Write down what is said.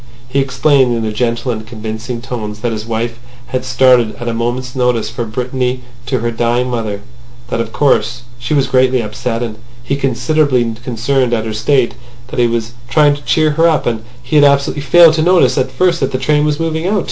He explained, in gentle and convincing tones, that his wife had started at a moment's notice for Brittany to her dying mother; that, of course, she was greatly up set, and he considerably concerned at her state; that he was trying to cheer her up, and had absolutely failed to notice at first that the train was moving out.